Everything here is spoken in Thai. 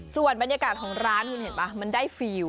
ส่วนบรรยากาศของร้านมันได้ฟรีล